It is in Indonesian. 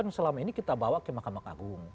karena selama ini kita bawa ke makam agung